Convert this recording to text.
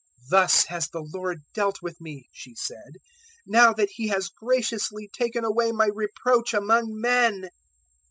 001:025 "Thus has the Lord dealt with me," she said, "now that He has graciously taken away my reproach among men."